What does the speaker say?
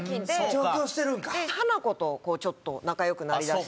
ハナコとちょっと仲良くなりだし。